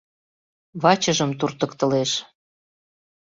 Вачыжым туртыктылеш.